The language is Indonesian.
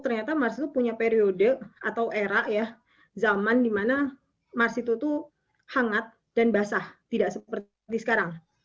ternyata mars itu punya periode atau era ya zaman di mana mars itu hangat dan basah tidak seperti sekarang